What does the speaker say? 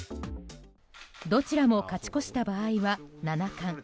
どちらも勝ち越した場合は七冠。